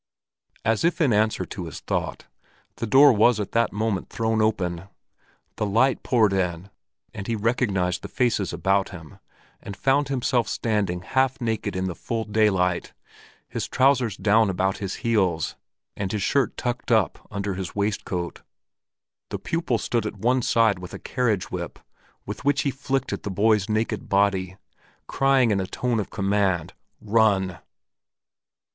As if in answer to his thought, the door was at that moment thrown open. The light poured in and he recognized the faces about him, and found himself standing half naked in the full daylight, his trousers down about his heels and his shirt tucked up under his waistcoat. The pupil stood at one side with a carriage whip, with which he flicked at the boy's naked body, crying in a tone of command: "Run!"